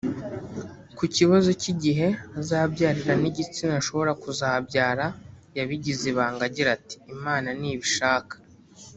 Ku kibazo cy’igihe azabyarira n’igitsina ashobora kuzabyara yabigize ibanga agira ati “Imana nibishaka